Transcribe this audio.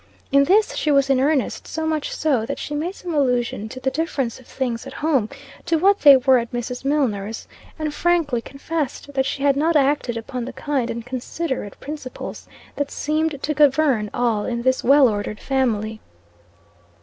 In this she was in earnest so much so, that she made some allusion to the difference of things at home, to what they were at Mrs. Milnor's, and frankly confessed that she had not acted upon the kind and considerate principles that seemed to govern all in this well ordered family.